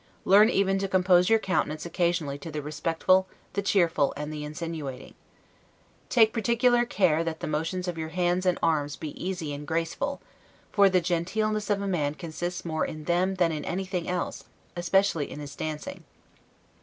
Learn even to compose your countenance occasionally to the respectful, the cheerful, and the insinuating. Take particular care that the motions of your hands and arms be easy and graceful; for the genteelness of a man consists more in them than in anything else, especially in his dancing.